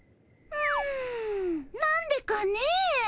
んなんでかねえ。